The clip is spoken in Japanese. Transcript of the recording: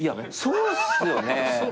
そうっすよね。